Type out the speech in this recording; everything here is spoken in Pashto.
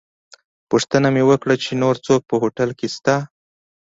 پوښتنه مې وکړه چې نور څوک په هوټل کې شته.